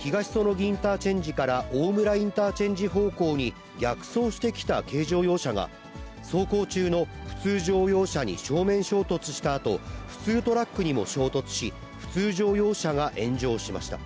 インターチェンジから大村インターチェンジ方向に逆走してきた軽乗用車が、走行中の普通乗用車に正面衝突したあと、普通トラックにも衝突し、普通乗用車が炎上しました。